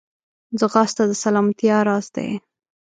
ځغاسته د سلامتیا راز دی